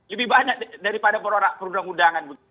lebih banyak daripada perundang undangan